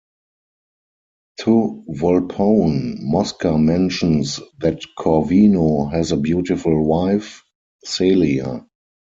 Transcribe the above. To Volpone, Mosca mentions that Corvino has a beautiful wife, Celia.